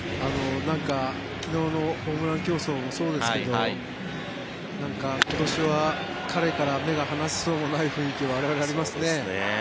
昨日のホームラン競争もそうですけど今年は彼から目が離せそうもない雰囲気が我々、ありますね。